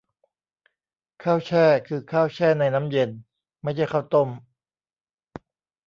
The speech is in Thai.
ข้าวแช่ คือข้าวแช่ในน้ำเย็น ไม่ใช่ข้าวต้ม